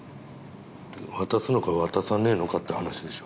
渡すのか渡さねえのかって話でしょ？